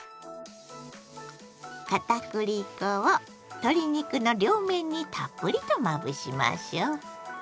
片栗粉を鶏肉の両面にたっぷりとまぶしましょ！